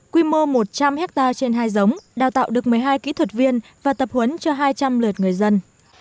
quy mô một trăm linh hectare trên hai giống đào tạo được một mươi hai kỹ thuật viên và tập huấn cho hai trăm linh lượt người dân